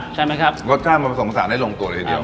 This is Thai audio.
ใช่ไหมครับรสชาติมันผสมผสานได้ลงตัวเลยทีเดียว